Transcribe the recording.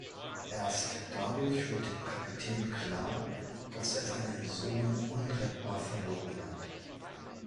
Erst dadurch wird dem Kapitän klar, dass er seinen Sohn unrettbar verloren hat.